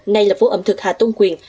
nay là phố ẩm thực hà tôn quyền